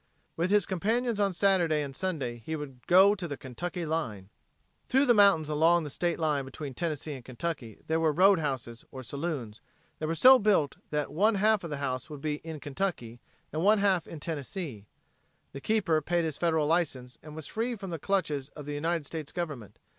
With his companions on Saturday and Sunday he would "go to the Kentucky line." Through the mountains along the state line between Tennessee and Kentucky there were road houses, or saloons, that were so built that one half of the house would be in Kentucky and one half in Tennessee. The keeper paid his federal license and was free from the clutches of the United States Government.